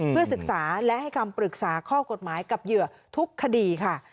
เพื่อศึกษาและให้คำปรึกษาข้อกฎหมายกับเหยื่อทุกคดีค่ะ